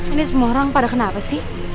ini semua orang pada kenapa sih